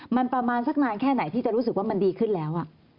มันประมาณสักนานแค่ไหนที่จะรู้สึกว่ามันดีขึ้นแล้ว